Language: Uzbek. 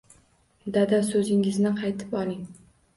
Dada so‘zingizni qaytib oling